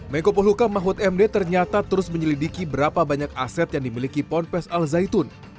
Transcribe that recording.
mekopo luka mahut md ternyata terus menyelidiki berapa banyak aset yang dimiliki ponpes al zaitun